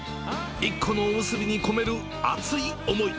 １個のおむすびに込める熱い思い。